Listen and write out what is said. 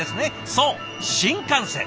そう新幹線！